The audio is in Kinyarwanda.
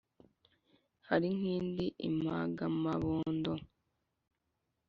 hari n’ikindi impagamabondo,